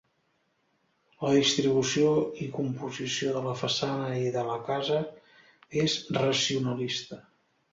La distribució i composició de la façana i de la casa és racionalista.